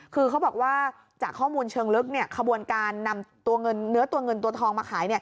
คือเขาบอกว่าจากข้อมูลเชิงลึกขบวนการนำตัวเนื้อตัวเงินตัวทองมาขาย